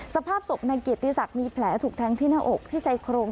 สภาพศพนายเกียรติศักดิ์มีแผลถูกแทงที่หน้าอกที่ชายโครง